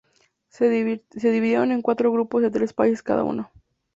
Se dividieron en cuatro grupos de tres países cada uno.